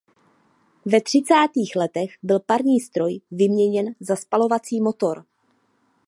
Ve třicátých letech byl parní stroj vyměněn za spalovací motor.